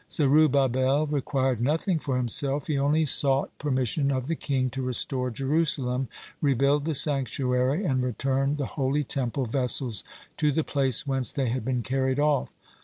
Zerubbabel required nothing for himself, he only sought permission of the king to restore Jerusalem, rebuild the sanctuary, and return the holy Temple vessels to the place whence they had been carried off.